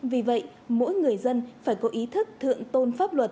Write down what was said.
vì vậy mỗi người dân phải có ý thức thượng tôn pháp luật